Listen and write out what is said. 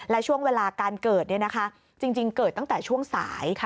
และช่วงเวลาการเกิดจริงเกิดตั้งแต่ช่วงสาย